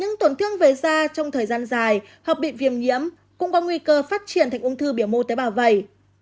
những tổn thương về da trong thời gian dài hoặc bị viêm nhiễm cũng có nguy cơ phát triển thành ung thư biểu mô tế bào vẩy